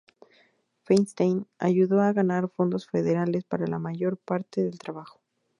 Feinstein ayudó a ganar fondos federales para la mayor parte del trabajo.